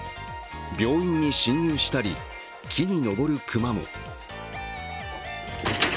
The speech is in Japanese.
病院に侵入したり、木に登る熊も。